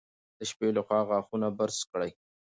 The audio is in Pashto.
د شپې لخوا غاښونه برس کړئ.